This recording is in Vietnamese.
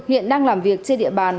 hiện đang làm việc trên địa bàn